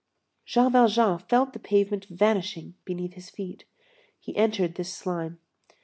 Jean Valjean felt the pavement vanishing beneath his feet. He entered this slime.